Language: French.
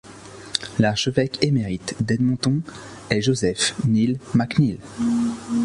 L'archevêque émérite d'Edmonton est Joseph Neil MacNeil.